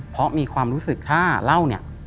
เพราะมีความรู้สึกถ้าเล่าเนี่ย